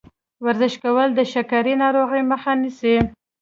ورزش کول د شکرې ناروغۍ مخه نیسي.